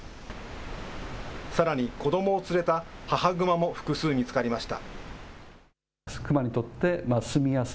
さらに、子どもを連れた母グマも複数見つかりました。